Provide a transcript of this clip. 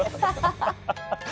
ハハハッ！